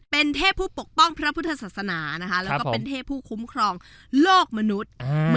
เป็นเทพผู้ปกป้องพระพุทธศาสนานะคะแล้วก็เป็นเทพผู้คุ้มครองโลกมนุษย์